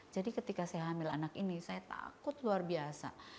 jadi ketika saya hamil anak ini saya takut luar biasa